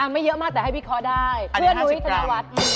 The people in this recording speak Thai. ไม่เยอะมากแต่ให้พี่เค้าได้เพื่อนวยธนวัฒน์